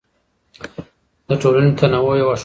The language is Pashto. د ټولنې تنوع یو ښکلا ده.